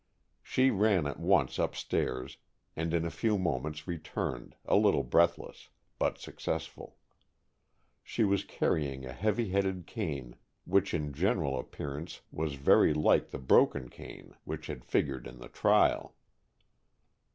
She ran at once upstairs, and in a few moments returned, a little breathless, but successful. She was carrying a heavy headed cane which in general appearance was very like the broken cane which had figured in the trial.